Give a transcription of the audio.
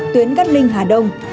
tuyến cát linh hà đông